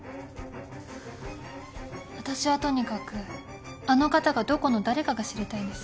私はとにかくあの方がどこの誰かが知りたいんです。